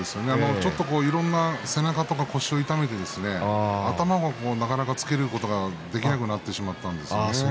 いろんな背中とか腰を痛めて頭がなかなか押っつけることができなくなってしまったんですよね。